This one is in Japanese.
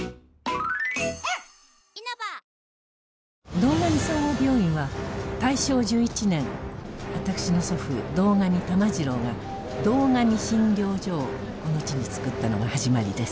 堂上総合病院は大正１１年わたくしの祖父堂上玉次郎が堂上診療所をこの地に作ったのが始まりです。